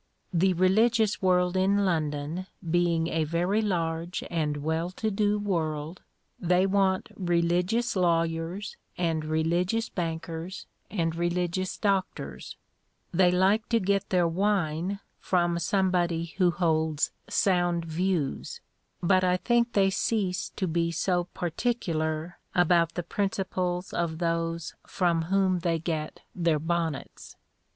The religious world in London being a very large and well to do world, they want religious lawyers, and religious bankers, and religious doctors; they like to get their wine from somebody who holds sound views, but I think they cease to be so particular about the principles of those from whom they get their bonnets.